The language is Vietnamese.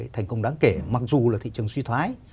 thành công đáng kể mặc dù là thị trường suy thoái